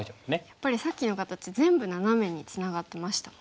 やっぱりさっきの形全部ナナメにツナがってましたもんね。